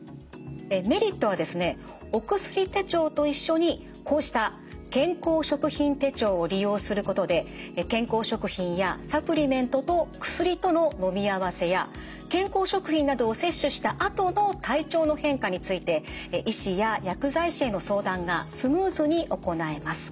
メリットはですねおくすり手帳と一緒にこうした健康食品手帳を利用することで健康食品やサプリメントと薬とののみ合わせや健康食品などを摂取したあとの体調の変化について医師や薬剤師への相談がスムーズに行えます。